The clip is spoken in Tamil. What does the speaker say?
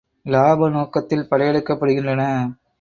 இலாப நோக்கத்தில் படைக்கப்படுகின்றன.